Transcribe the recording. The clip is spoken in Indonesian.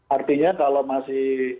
artinya kalau masih